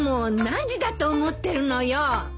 何時だと思ってるのよ。